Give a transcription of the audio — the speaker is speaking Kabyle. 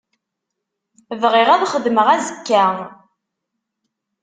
Bɣiɣ ad xedmeɣ azekka.